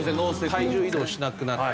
体重移動しなくなって。